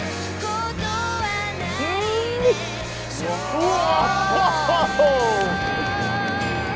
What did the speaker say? うわ！